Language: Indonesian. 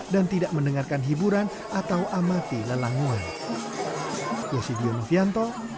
dan tidak mendengarkan hiburan atau amati lelanguan